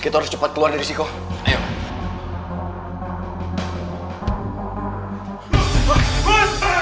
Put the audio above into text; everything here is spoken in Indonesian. kita harus cepat keluar dari sini